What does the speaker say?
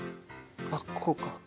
あっこうか。